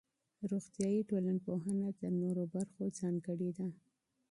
روغتيائي ټولنپوهنه تر نورو برخو ځانګړې ده.